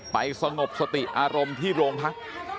สงบสติอารมณ์ที่โรงพัก